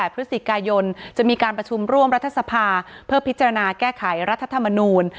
พฤศจิกายนจะมีการประชุมร่วมรัฐสภาเพื่อพิจารณาแก้ไขรัฐธรรมนูล